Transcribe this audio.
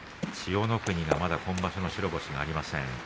千代の国がまだ今場所の白星がありません。